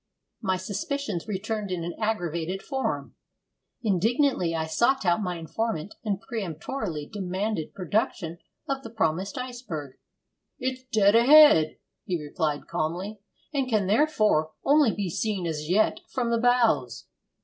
My suspicions returned in an aggravated form. Indignantly I sought out my informant, and peremptorily demanded production of the promised iceberg. 'It's dead ahead,' he replied calmly, 'and can therefore only be seen as yet from the bows.'